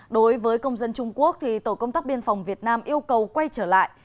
đối với công dân trung quốc tổ công tác biên phòng việt nam yêu cầu quay trở lại